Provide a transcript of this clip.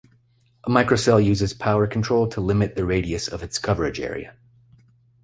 A microcell uses power control to limit the radius of its coverage area.